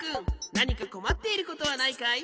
なにかこまっていることはないかい？